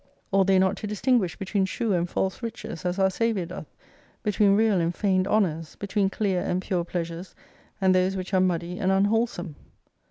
Ought they not to distinguish between true and false riches as our Saviour doth ; between real and feigned honours ; be tween clear and pure pleasures and those which are muddy and unwholesome